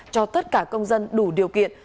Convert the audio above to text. cho tất cả công dân đủ điều kiện